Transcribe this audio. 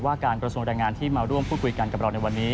การกระทรวงแรงงานที่มาร่วมพูดคุยกันกับเราในวันนี้